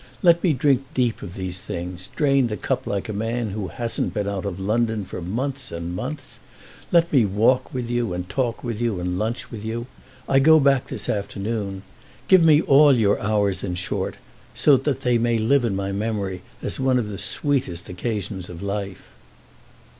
Let me drink deep of these things, drain the cup like a man who hasn't been out of London for months and months. Let me walk with you and talk with you and lunch with you—I go back this afternoon. Give me all your hours in short, so that they may live in my memory as one of the sweetest occasions of life."